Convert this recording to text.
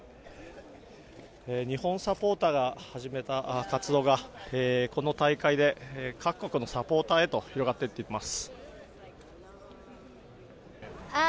日本サポーターが始めた活動がこの大会で各国のサポーターへと広がっていっています。